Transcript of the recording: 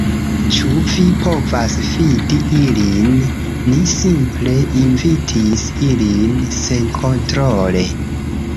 Ĉu ni povas fidi ilin? Ni simple invitis ilin senkontrole